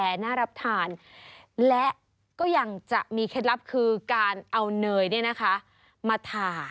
เอาอบเรี่ยมร้อย